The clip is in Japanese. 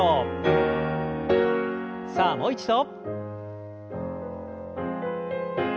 さあもう一度。